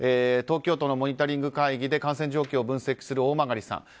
東京都のモニタリング会議で感染状況を分析する大曲さん。